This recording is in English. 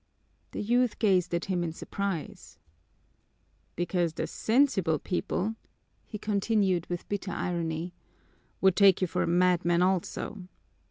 The youth gazed at him in surprise. "Because the sensible people," he continued with bitter irony, "would take you for a madman also.